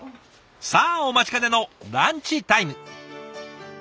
さあお待ちかねのランチタイム。